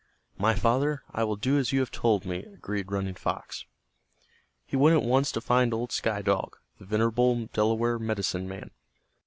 "My father, I will do as you have told me," agreed Running Fox. He went at once to find old Sky Dog, the venerable Delaware medicine man.